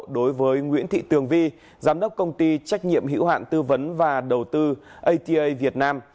đối với nguyễn thị tường vi giám đốc công ty trách nhiệm hữu hạn tư vấn và đầu tư ata việt nam